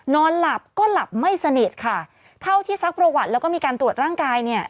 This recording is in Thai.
นอนหลับก็หลับไม่สนิทค่ะเท่าที่ซักประวัติแล้วก็มีการตรวจร่างกายเนี่ย